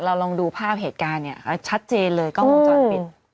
ลองดูภาพเหตุการณ์เนี่ยชัดเจนเลยกล้องวงจรปิด